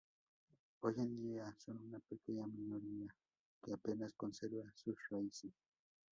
Hoy día son una pequeña minoría, que apenas conserva sus raíces.